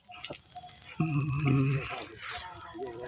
ครับ